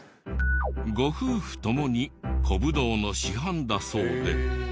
ご夫婦ともに古武道の師範だそうで。